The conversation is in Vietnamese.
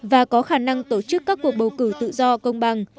và có khả năng tổ chức các cuộc bầu cử tự do công bằng